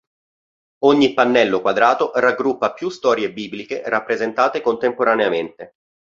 Ogni pannello quadrato raggruppa più storie bibliche rappresentate contemporaneamente.